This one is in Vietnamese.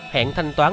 hẹn thanh toán